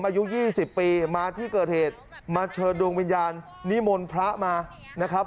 อายุ๒๐ปีมาที่เกิดเหตุมาเชิญดวงวิญญาณนิมนต์พระมานะครับ